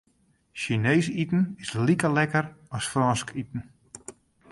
Sjineesk iten is like lekker as Frânsk iten.